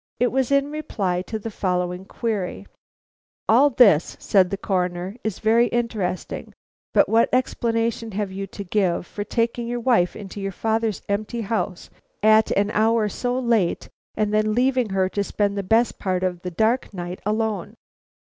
It was in reply to the following query: "All this," said the Coroner, "is very interesting; but what explanation have you to give for taking your wife into your father's empty house at an hour so late, and then leaving her to spend the best part of the dark night alone?"